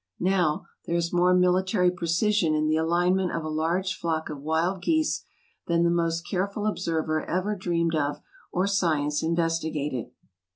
Now, there is more military precision in the alignment of a large flock of wild geese than the most careful observer ever dreamed of or science investigated.